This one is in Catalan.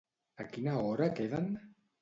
A quina hora queden?